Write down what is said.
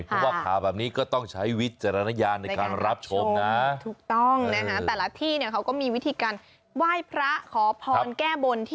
เพราะว่าภาพแบบนี้ก็ต้องใช้วิจารณญาณในการรับชมนะ